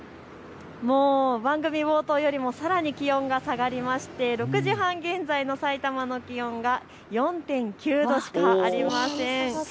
もう番組冒頭よりもさらに気温が下がりまして、６時半現在のさいたまの気温が４．９度しかありません。